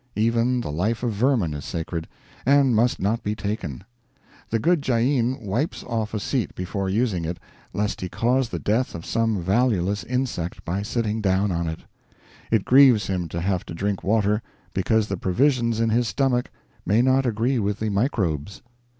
Even the life of vermin is sacred, and must not be taken. The good Jain wipes off a seat before using it, lest he cause the death of some valueless insect by sitting down on it. It grieves him to have to drink water, because the provisions in his stomach may not agree with the microbes.